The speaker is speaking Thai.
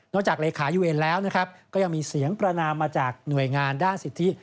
จากเลขายูเอ็นแล้วนะครับก็ยังมีเสียงประนามมาจากหน่วยงานด้านสิทธิ